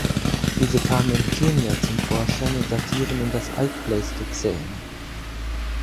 Diese kamen in Kenia zum Vorschein und datieren in das Altpleistozän.